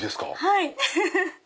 はい。